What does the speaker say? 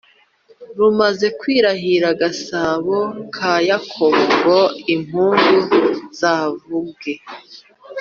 rumaze kwirahira gasabo ka yakobo ngo impundu zavuge